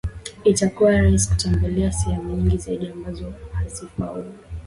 Itakuwa rahisi kutembelea sehemu nyingi zaidi ambazo hauzifahamu